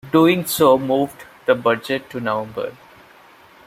Doing so moved the Budget to November.